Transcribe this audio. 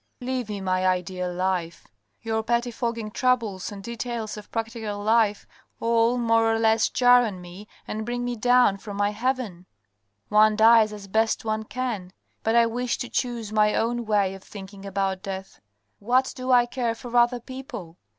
" Leave me my ideal life. Your pettifogging troubles and details of practical life all more or less jar on me and bring me down from my heaven. One dies as best one can : but I wish to chose my own way of thinking about death. What do I care for other people